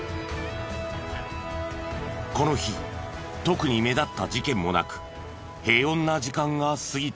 この日特に目立った事件もなく平穏な時間が過ぎていた。